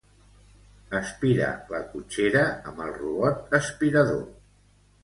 Aspira la cotxera amb el robot aspirador.